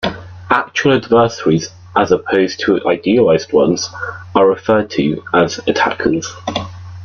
Actual adversaries, as opposed to idealized ones, are referred to as "attackers".